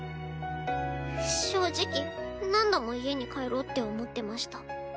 正直何度も家に帰ろうって思ってました。